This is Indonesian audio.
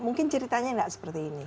mungkin ceritanya nggak seperti ini